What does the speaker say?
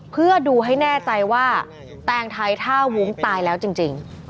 เพื่อดูให้แน่ใจว่าแตงไทยท่าวุ้งตายแล้วจริง